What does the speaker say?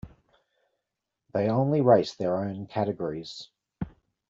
They only race their own categories.